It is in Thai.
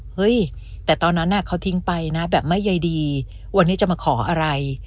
เฮ้ยแต่ตอนนั้นเขาทิ้งไปนะแบบไม่ใยดีวันนี้จะมาขออะไร